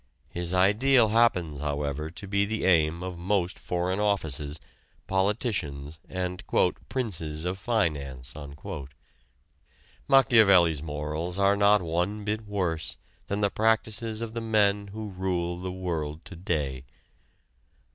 His ideal happens, however, to be the aim of most foreign offices, politicians and "princes of finance." Machiavelli's morals are not one bit worse than the practices of the men who rule the world to day.